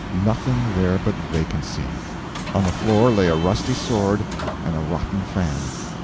Nothing there but vacancy! On the floor lay a rusty sword and a rotten fan.